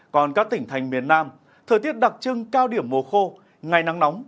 còn các tỉnh thành miền nam thời tiết đặc trưng cao điểm mùa khô ngày nắng nóng